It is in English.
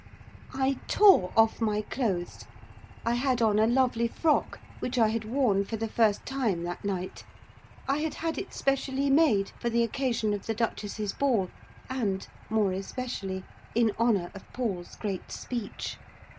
I tore off my clothes. I had on a lovely frock which I had worn for the first time that night; I had had it specially made for the occasion of the Duchess' ball, and more especially in honour of Paul's great speech.